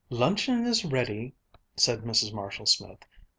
"Luncheon is ready," said Mrs. Marshall Smith.